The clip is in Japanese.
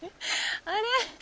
あれ？